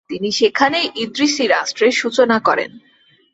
তিনি সেখানে ইদ্রিসি রাষ্ট্রের সূচনা করেন।